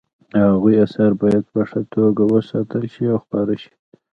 د هغوی اثار باید په ښه توګه وساتل شي او خپاره شي